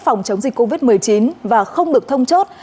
phòng chống dịch covid một mươi chín và không được thông chốt